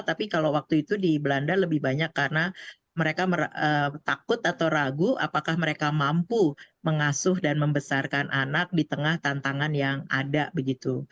tapi kalau waktu itu di belanda lebih banyak karena mereka takut atau ragu apakah mereka mampu mengasuh dan membesarkan anak di tengah tantangan yang ada begitu